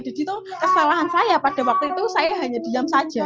jadi tuh kesalahan saya pada waktu itu saya hanya diam saja